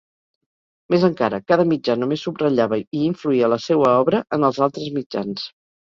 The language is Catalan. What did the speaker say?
Més encara, cada mitjà només subratllava i influïa la seua obra en els altres mitjans.